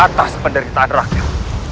atas penderitaan rakyat